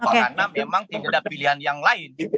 karena memang tidak ada pilihan yang lain